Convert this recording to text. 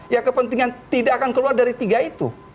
ya kepentingan tidak akan keluar dari tiga itu